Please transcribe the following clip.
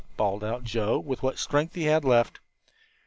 bawled out Jerry with what strength he had left.